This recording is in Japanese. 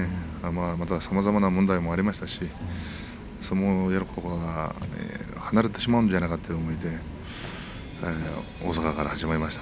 またさまざまな問題もありましたし相撲から離れてしまうんじゃないかと思って大阪から始めました。